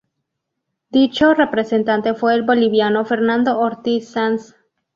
Dicho representante fue el boliviano Fernando Ortiz-Sanz.